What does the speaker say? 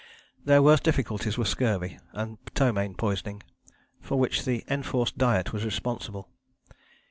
Their worst difficulties were scurvy and ptomaine poisoning, for which the enforced diet was responsible.